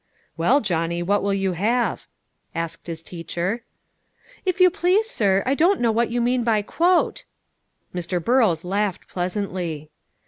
"Well, Johnny, what will you have?" asked his teacher. "If you please, sir, I don't know what you mean by quote." Mr. Burrows laughed pleasantly.